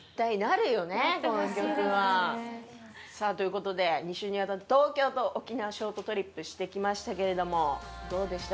さぁということで２週にわたって東京と沖縄ショートトリップして来ましたけれどもどうでした？